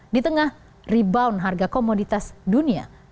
di tengah rebound harga komoditas dunia